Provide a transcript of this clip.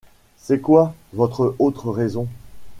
C’est quoi, votre autre raison ?